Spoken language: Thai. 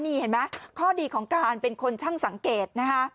นี่เห็นไหมข้อดีของการเป็นคนช่างสังเกตนะคะ